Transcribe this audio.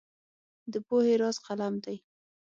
د پوهې راز قلم دی.